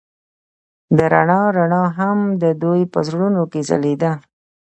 د رڼا رڼا هم د دوی په زړونو کې ځلېده.